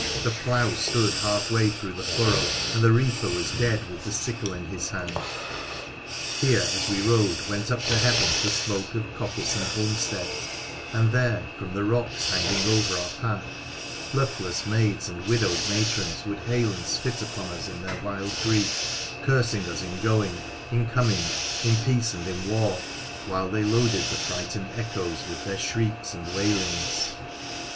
The plough stood halfway through the furrow, and the reaper was dead with the sickle in his hand. Here, as we rode, went up to heaven the smoke of coppice and homestead ; and there, from the rocks hanging over our path, luckless maids and widowed matrons would hail and spit upon us in their wild grief, cursing us in going, in coming, in peace and in war, while they loaded the frightened echoes with their shrieks and wailings.